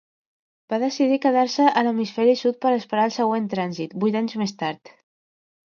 Va decidir quedar-se a l'hemisferi sud per esperar el següent trànsit, vuit anys més tard.